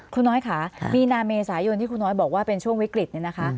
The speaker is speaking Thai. คุณน้อยค่ะมีนาเมษายนที่ครูน้อยบอกว่าเป็นช่วงวิกฤตเนี่ยนะคะ